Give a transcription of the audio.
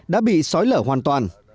đã bị sói lở hoàn toàn